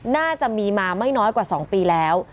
น่าจะมีมาไม่น้อยกว่า๒ปีแล้ว